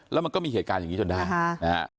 แล้วมันก็มีเหตุการณ์อย่างนี้จนได้นะฮะ